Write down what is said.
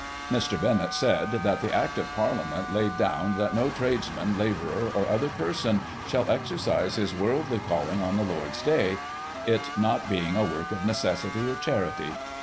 Mr. Benett said, that the Act of PcirHament laid down that no tradesman, labourer, or other person shall exercise his worldly calling on the Lord's day, it not being a work of necessity or charity.